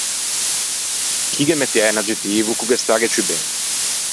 Chì ghe mettiæ un aggettivo ch’o ghe stagghe ciù ben.